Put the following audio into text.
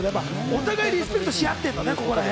お互いリスペクトし合ってんのね。